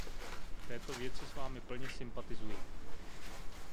V této věci s vámi plně sympatizuji.